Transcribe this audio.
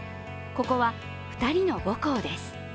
ここは２人の母校です。